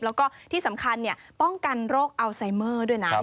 แล้วก็ที่สำคัญป้องกันโรคอัลไซเมอร์ด้วยนะ